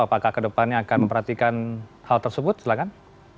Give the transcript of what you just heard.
apakah ke depannya akan memperhatikan hal tersebut silakan